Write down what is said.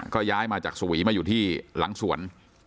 ก็ย้ายมาจากสวีมาอยู่ที่หลังสวน